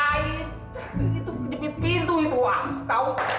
ait itu jepit pintu itu wah tau